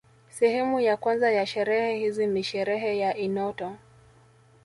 Sehemu ya kwanza ya sherehe hizi ni sherehe ya enoto